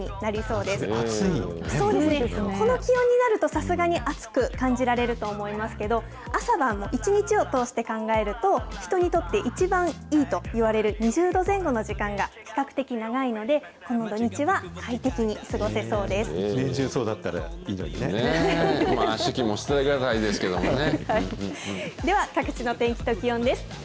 そうですね、この気温になると、さすがに暑く感じられると思いますけど、朝晩、一日を通して考えると、人にとって一番いいといわれる２０度前後の時間が比較的長いので、この土日は快適に過ごせそうです。